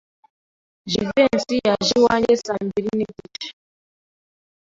Jivency yaje iwanjye saa mbiri nigice.